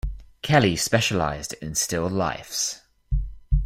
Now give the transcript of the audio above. Kelly specialized in still lifes.